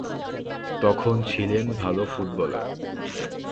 তখন ছিলেন ভালো ফুটবলার।